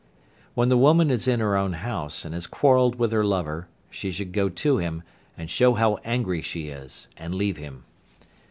When the woman is in her own house, and has quarrelled with her lover, she should go to him and show how angry she is, and leave him.